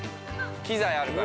機材あるから。